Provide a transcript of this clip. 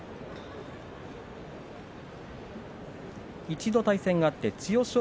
一度対戦があって千代翔